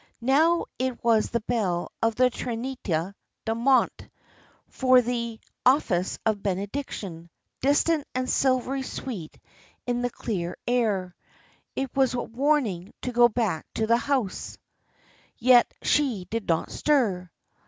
Now it was the bell of the Trinità del Monte, for the office of Benediction, distant and silvery sweet in the clear air. It was a warning to go back to the house yet she did not stir.